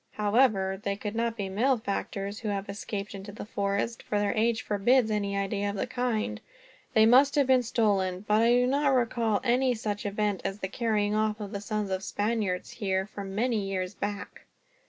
However, they could not be malefactors who have escaped into the forest, for their age forbids any idea of that kind. They must have been stolen. But I do not recall any such event as the carrying off of the sons of Spaniards, here, for many years back.